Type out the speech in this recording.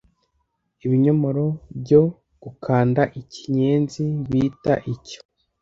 Ibinyomoro byo gukanda inyenzi bita icyo